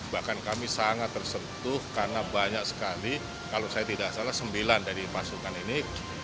bahkan kami sangat tersentuh karena banyak sekali kalau saya tidak salah sembilan dari pasukan ini